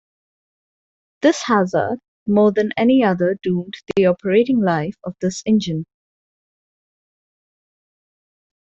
This hazard more than any other doomed the operating life of this engine.